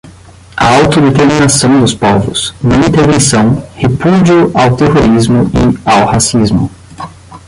autodeterminação dos povos; não-intervenção; repúdio ao terrorismo e ao racismo;